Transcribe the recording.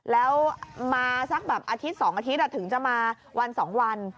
แล้วมาสักแบบอาทิตย์๒อาทิตย์ถึงจะมาวัน๒วัน